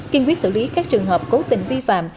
kiên quyết xử lý các trường hợp cố tình vi phạm